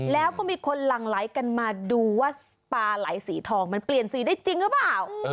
แล้วก็มีคนหลั่งไหลกันมาดูว่าปลาไหลสีทองมันเปลี่ยนสีได้จริงหรือเปล่า